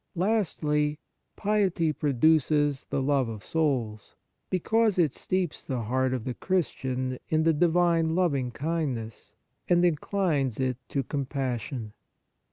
Lastly, piety produces the love of souls, because it steeps the heart of the Christian in the divine loving kindness, and inclines it to compas sion.